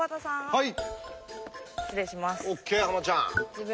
はい。